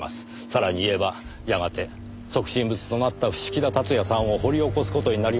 さらに言えばやがて即身仏となった伏木田辰也さんを掘り起こす事になりますねぇ。